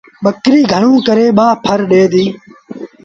ٻڪريٚ گھڻوݩ ڪري ٻآ ڦر ڏي ديٚ۔